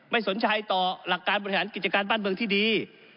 ไม่สนใจต่อหลักการบริหารกิจการบ้านเมืองที่ดี